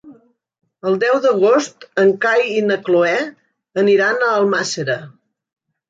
El deu d'agost en Cai i na Cloè aniran a Almàssera.